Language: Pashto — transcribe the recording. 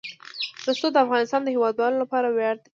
رسوب د افغانستان د هیوادوالو لپاره ویاړ دی.